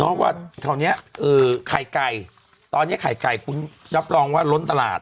น้องว่าคราวเนี้ยเอ่อไข่ไก่ตอนเนี้ยไข่ไก่คุณยับรองว่าร้นตลาด